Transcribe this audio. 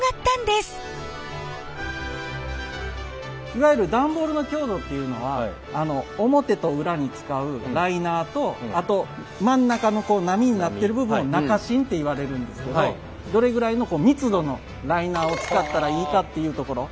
いわゆる段ボールの強度っていうのは表と裏に使うライナーとあと真ん中の波になってる部分を中しんっていわれるんですけどどれぐらいの密度のライナーを使ったらいいかっていうところ。